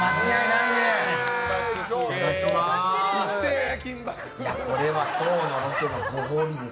いただきます。